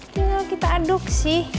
tinggal kita aduk sih